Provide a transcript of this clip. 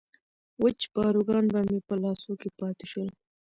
وچ پاروګان به مې په لاسو کې پاتې شول.